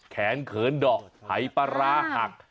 แขนเขินดอกหายปลาร้าหัก